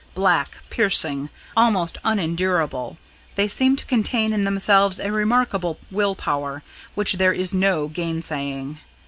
Black, piercing, almost unendurable, they seem to contain in themselves a remarkable will power which there is no gainsaying.